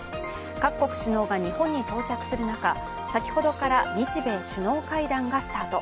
各国首脳が日本に到着する中先ほどから日米首脳会談がスタート。